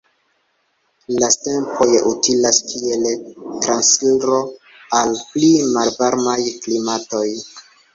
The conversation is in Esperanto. La stepoj utilas kiel transiro al pli malvarmaj klimatoj.